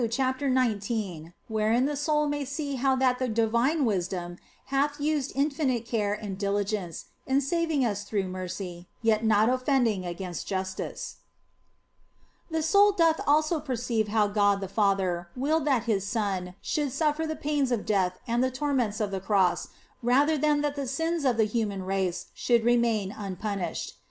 CHAPTER XIX WHEREIN THE SOUL MAY SEE HOW THAT THE DIVINE WISDOM HATH USED INFINITE CARE AND DILIGENCE IN SAVING US THROUGH MERCY, YET NOT OFFENDING AGAINST JUSTICE THE soul doth also perceive how God the Father willed that His Son should suffer the pains of death and the torments of the Cross rather than that the sins of the human race should remain unpunished.